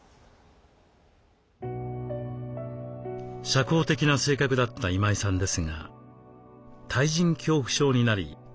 社交的な性格だった今井さんですが対人恐怖症になり家に引きこもります。